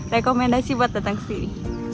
rekomendasi buat datang kesini